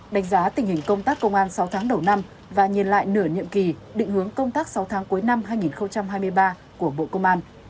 đánh giá tình hình công tác công an sáu tháng đầu năm và nhìn lại nửa nhiệm kỳ định hướng công tác sáu tháng cuối năm hai nghìn hai mươi ba của bộ công an